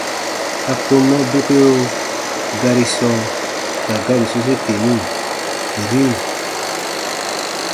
A kom mɛ dokeo gari sɔɔ ka gari sose teni: “-ri”.